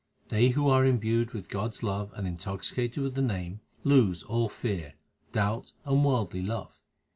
They who are imbued with God s love and intoxicated with the Name, lose all fear, doubt, and worldly love.